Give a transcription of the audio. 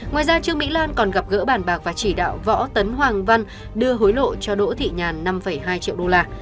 ngoài ra trương mỹ lan còn gặp gỡ bàn bạc và chỉ đạo võ tấn hoàng văn đưa hối lộ cho đỗ thị nhàn năm hai triệu đô la